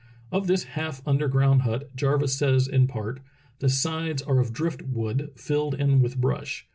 Of this half underground hut Jarvis says in part: "The sides are of drift wood, filled in with brush.